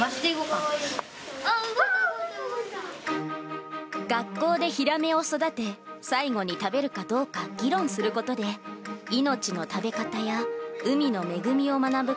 あっ、学校でヒラメを育て、最後に食べるかどうか議論することで、命の食べ方や海の恵みを学ぶ